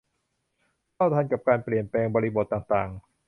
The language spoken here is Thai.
เท่าทันกับการเปลี่ยนแปลงบริบทต่างต่าง